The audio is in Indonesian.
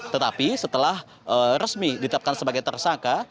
tetapi setelah resmi ditetapkan sebagai tersangka